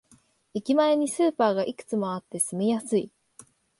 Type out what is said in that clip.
駅前にスーパーがいくつもあって住みやすい